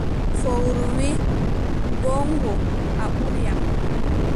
Fowru wii, goongo, a ɓuri am.